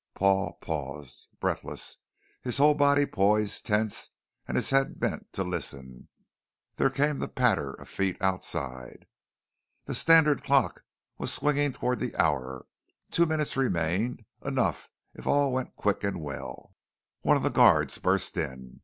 Paul paused, breathless, his whole body poised tense and his head bent to listen. There came the patter of feet outside. The standard clock was swinging towards the hour, two minutes remained, enough if all went quick and well. One of the guards burst in.